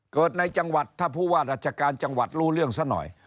เกิดในจังหวัดถ้าผู้ว่าราชการจังหวัดรู้เรื่องซะหน่อย